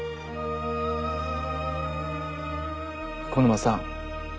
小沼さん。